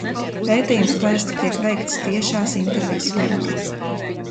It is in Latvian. Pētījums parasti tiek veikts tiešās intervijas formā.